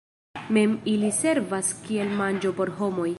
Mem ili servas kiel manĝo por homoj.